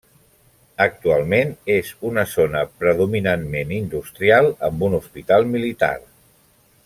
Actualment és una zona predominantment industrial amb un hospital militar.